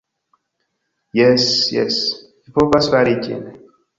"Jes jes, vi povas fari ĝin.